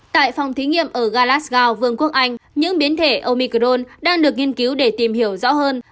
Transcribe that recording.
tại phòng thí nghiệm ở galasgo vương quốc anh những biến thể omicron đang được nghiên cứu để tìm hiểu rõ hơn